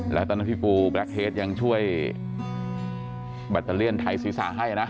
แล้วแต่ท่านพี่ปูแบล็คเฮดยังช่วยบัตรเลี่ยนไทยศีรษะให้นะ